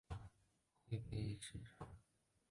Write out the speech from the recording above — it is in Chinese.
灰背杨是杨柳科杨属的植物。